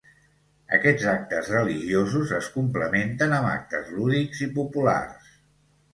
Aquests actes religiosos es complementen amb actes lúdics i populars.